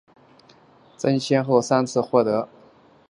曾先后三次获得亚洲金冰镐奖。